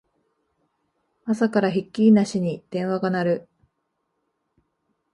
朝からひっきりなしに電話が鳴る